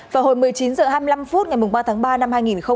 vào hồi một mươi chín h hai mươi năm phút ngày ba tháng ba năm hai nghìn hai mươi